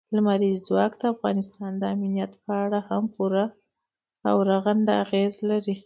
لمریز ځواک د افغانستان د امنیت په اړه هم پوره او رغنده اغېز لري.